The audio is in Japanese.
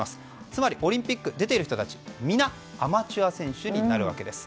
つまりオリンピックに出ている人たちは皆アマチュア選手になるわけです。